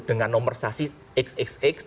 dengan nomor sasih xxx